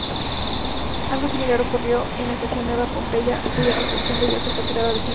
Algo similar ocurrió con la estación Nueva Pompeya, cuya construcción debió ser cancelada definitivamente.